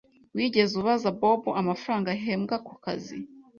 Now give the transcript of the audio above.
Wigeze ubaza Bobo amafaranga ahembwa ako kazi?